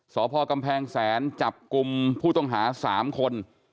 สพกำแพงแสนจับกลุ่มผู้ต้องหา๓คน